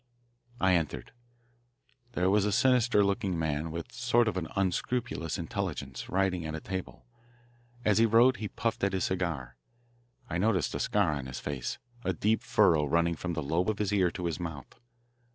I entered. There was a sinister looking man, with a sort of unscrupulous intelligence, writing at a table. As he wrote and puffed at his cigar, I noticed a scar on his face, a deep furrow running from the lobe of his ear to his mouth.